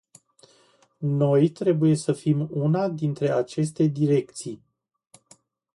Noi trebuie să fim una dintre aceste direcții.